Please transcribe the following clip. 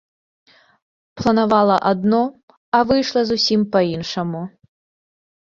Планавала адно, а выйшла зусім па-іншаму.